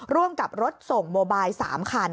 ร่วมกับรถส่งโมบาย๓คัน